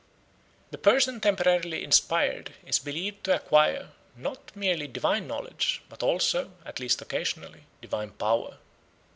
The person temporarily inspired is believed to acquire, not merely divine knowledge, but also, at least occasionally, divine power.